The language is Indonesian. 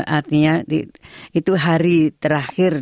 artinya itu hari terakhir